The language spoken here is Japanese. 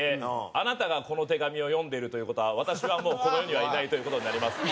「あなたがこの手紙を読んでいるということは私はもうこの世にはいないということになります」